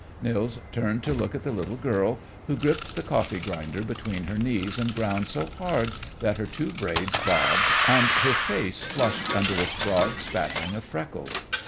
Nils turned to look at the little girl, who gripped the coffee grinder between her knees and ground so hard that her two braids bobbed and her face flushed under its broad spattering of freckles.